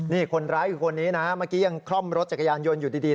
นี่คนร้ายคือคนนี้นะเมื่อกี้ยังคล่อมรถจักรยานยนต์อยู่ดี